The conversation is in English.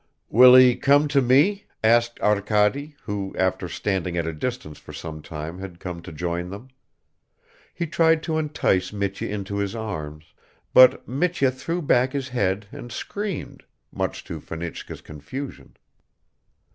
"Will he come to me?" asked Arkady, who after standing at a distance for some time had come to join them. He tried to entice Mitya into his arms, but Mitya threw back his head and screamed, much to Fenichka's confusion.